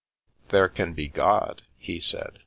•'There can be God," he said.